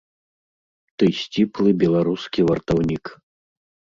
Ты сціплы беларускі вартаўнік.